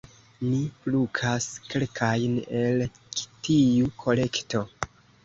Ni plukas kelkajn el tiu kolekto.